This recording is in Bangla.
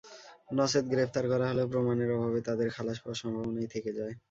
নচেৎ গ্রেপ্তার করা হলেও প্রমাণের অভাবে তাঁদের খালাস পাওয়ার সম্ভাবনাই থেকে যায়।